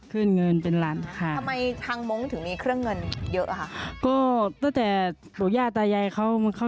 เครื่องเงินเป็นหลักค่ะ